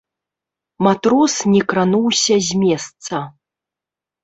Матрос не крануўся з месца.